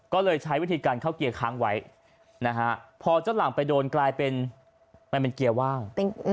ก็เลยใช้วิธีการเข้าเกียร์ค้างไว้นะฮะพอเจ้าหลังไปโดนกลายเป็นมันเป็นเกียร์ว่าง